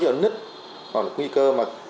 giữa nứt hoặc là nguy cơ